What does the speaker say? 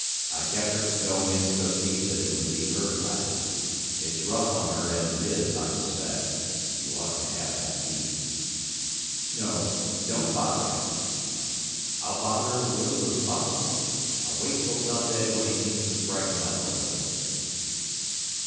I kept her from going in so deep that it would leave her flat. It's rough on her as it is, I suspect. You ought to have that deed." "No. Don't bother him." "I'll bother him as little as possible. I'll wait till some day when he seems to brighten up a little."